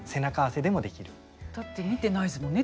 だって見てないですもんね